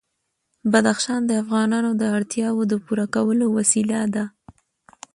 بدخشان د افغانانو د اړتیاوو د پوره کولو وسیله ده.